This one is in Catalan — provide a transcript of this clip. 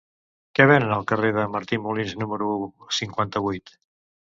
Què venen al carrer de Martí Molins número cinquanta-vuit?